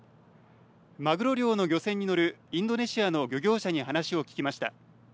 まぐろ漁の漁船に乗るインドネシアの漁業者に話を聞きました。